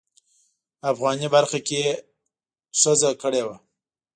افغاني برخه کې یې ښځه کړې وه.